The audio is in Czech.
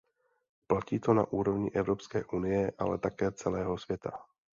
Platí to na úrovni Evropské unie, ale také celého světa.